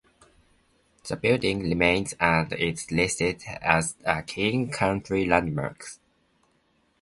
The building remains, and is listed as a King County landmark.